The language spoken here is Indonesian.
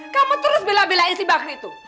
kamu terus bela belain si bakri itu